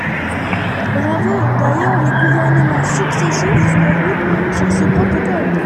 Bravo ! D’ailleurs, les gouvernements successifs sont revenus sur ce protocole.